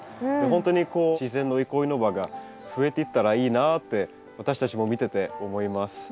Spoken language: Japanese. ほんとにこう自然の憩いの場が増えていったらいいなって私たちも見てて思います。